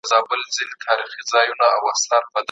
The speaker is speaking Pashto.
په څېړنه کې له طب سره اړيکې څنګه پیدا کیږي؟